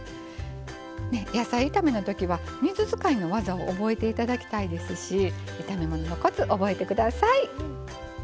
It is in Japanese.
野菜炒めのときは水使いの技を覚えていただきたいですし炒め物のコツ覚えてください。